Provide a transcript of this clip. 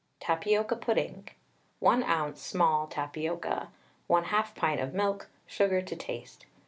TAPIOCA PUDDING. 1 oz. small tapioca, 1/2 pint of milk, sugar to taste.